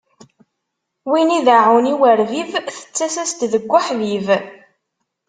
Win ideɛɛun i urbib, tettas-as-d deg uḥbib.